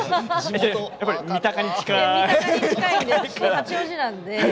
三鷹に近いんで八王子なので。